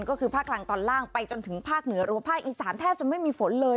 ก็คือภาคกลางตอนล่างไปจนถึงภาคเหนือหรือว่าภาคอีสานแทบจะไม่มีฝนเลย